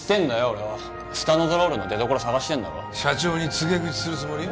俺はスタノゾロールの出どころ捜してんだろ社長に告げ口するつもり？